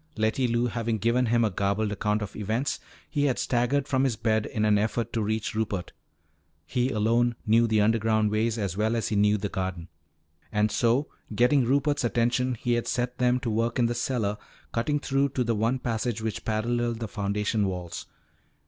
Letty Lou having given him a garbled account of events, he had staggered from his bed in an effort to reach Rupert. He alone knew the underground ways as well as he knew the garden. And so once getting Rupert's attention, he had set them to work in the cellar cutting through to the one passage which paralleled the foundation walls.